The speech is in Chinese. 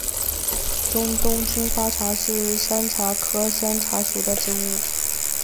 中东金花茶是山茶科山茶属的植物。